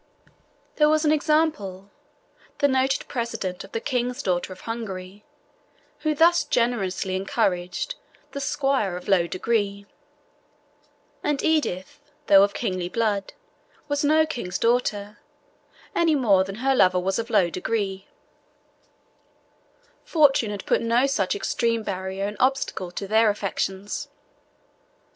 There was an example the noted precedent of the "King's daughter of Hungary," who thus generously encouraged the "squire of low degree;" and Edith, though of kingly blood, was no king's daughter, any more than her lover was of low degree fortune had put no such extreme barrier in obstacle to their affections.